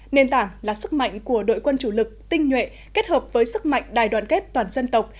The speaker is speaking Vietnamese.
nền tảng là sức mạnh của đội quân chủ lực tinh nhuệ kết hợp với sức mạnh đài đoàn kết toàn dân tộc